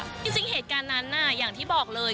จริงเหตุการณ์นั้นอย่างที่บอกเลย